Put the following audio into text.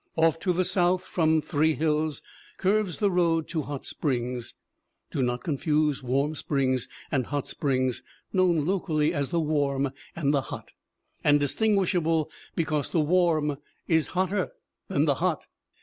Off to the south from Three Hills curves the road to Hot Springs. Do not confuse Warm Springs and Hot Springs, known locally as "The Warm" and "The Hot" and distinguishable be cause The Warm is hotter than The Hot!